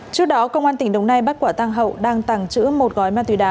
trước đó công an tỉnh đồng nai bắt quả tăng hậu đang tàng trữ một gói ma túy đá